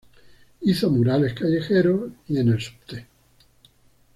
Hizo murales callejeros y en el subte.